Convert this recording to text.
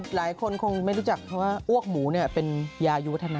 หลายคนคงไม่รู้จักเขาว่าอ้วกหมูเป็นยายุวัฒนะ